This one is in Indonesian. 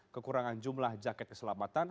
kekurangan jumlah jaket keselamatan